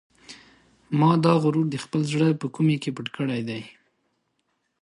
ما دا غرور د خپل زړه په کومې کې پټ کړی دی.